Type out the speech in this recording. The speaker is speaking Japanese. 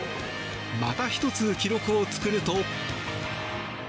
また１つ記録を作ると。